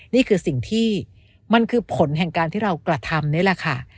นี่คือสิ่งที่มันคือผลแห่งการที่เรากระทำนี่แหละค่ะ